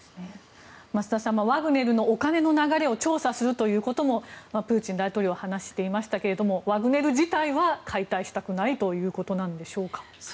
増田さんワグネルのお金の流れを調査するということもプーチン大統領は話していましたけどワグネル事態は解体したくないということなんでしょうか。